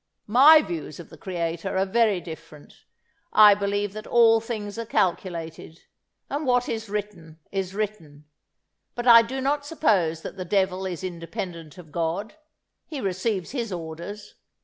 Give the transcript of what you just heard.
"My views of the Creator are very different. I believe that all things are calculated, and what is written is written; but I do not suppose that the devil is independent of God: he receives his orders.